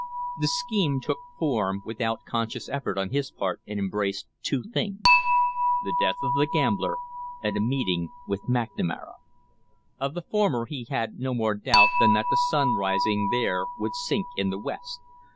The scheme took form without conscious effort on his part and embraced two things the death of the gambler and a meeting with McNamara. Of the former, he had no more doubt than that the sun rising there would sink in the west.